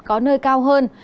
có nơi cao hơn